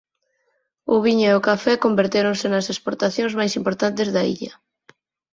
O viño e o café convertéronse nas exportacións máis importantes da illa.